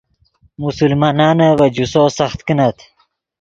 مسلمانانے ڤے جوسو سخت کینت